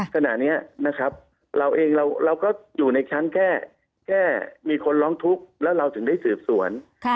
ขณะนี้นะครับเราเองเราก็อยู่ในชั้นแค่มีคนร้องทุกข์แล้วเราถึงได้สืบสวน